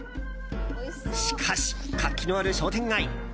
しかし、活気のある商店街。